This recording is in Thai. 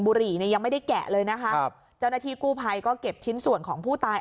หรี่เนี่ยยังไม่ได้แกะเลยนะคะครับเจ้าหน้าที่กู้ภัยก็เก็บชิ้นส่วนของผู้ตาย